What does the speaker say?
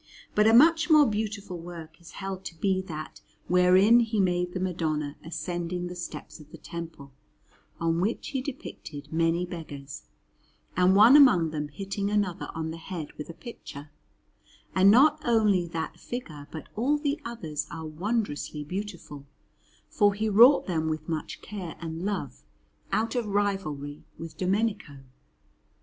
But a much more beautiful work is held to be that wherein he made the Madonna ascending the steps of the Temple, on which he depicted many beggars, and one among them hitting another on the head with a pitcher; and not only that figure but all the others are wondrously beautiful, for he wrought them with much care and love, out of rivalry with Domenico.